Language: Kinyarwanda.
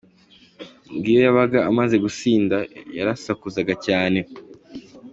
ngo iyo yabaga amaze gusinda, yarasakuzaga cyane.